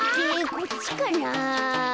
こっちかな？